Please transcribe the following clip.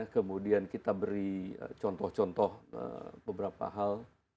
kemudian kita beri contoh contoh beberapa hal